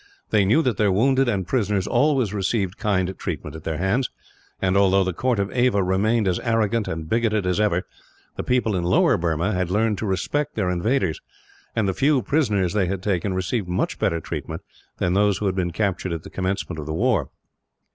They knew that their wounded and prisoners always received kind treatment at their hands and, although the court of Ava remained as arrogant and bigoted as ever, the people in lower Burma had learned to respect their invaders, and the few prisoners they had taken received much better treatment than those who had been captured at the commencement of the war.